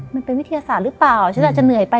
มันเป็นวิทยาศาสตร์หรือเปล่าค่ะจะเป็นทหารหรือเปล่า